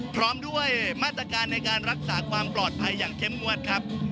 พร้อมด้วยมาตรการในการรักษาความปลอดภัยอย่างเข้มงวดครับ